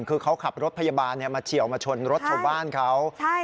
คือเขาขับรถพยาบาลเนี่ยมาเฉียวมาชนรถชาวบ้านเขาใช่ค่ะ